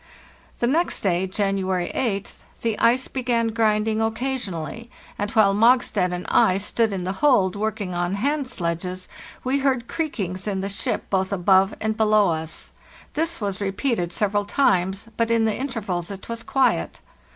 The next day, January 8th, the ice began grinding occasionally, and while Mogstad and I stood in the hold "4 MOST REMARKABLE MOON " working on hand sledges we heard creakings in the ship both above and below us. This was repeated several times; but in the intervals it was quiet.